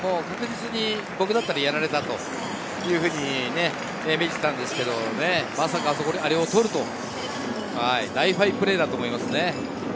確実に僕だったらやられたというふうに見ていたんですけど、まさかあれを捕るとは、大ファインプレーだと思いますね。